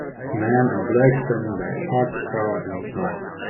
Man in black standing by parked car in the snow.